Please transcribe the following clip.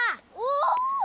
おお！